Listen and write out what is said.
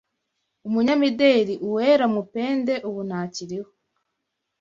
Umunyamideli Uwera Mupende ubu ntakiriho